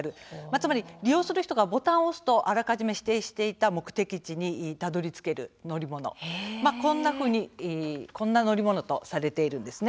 つまり利用する人がボタンを押すとあらかじめ指定していた目的地にたどりつける乗り物こんな乗り物とされています。